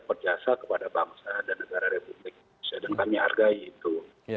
berjasa kepada bangsa dan negara republik indonesia dan kami hargai itu